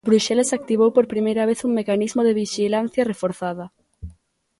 Bruxelas activou por primeira vez un mecanismo de "vixilancia reforzada".